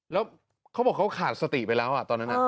แล้วเขาบอกเขาขาดสติไปแล้วตอนนั้น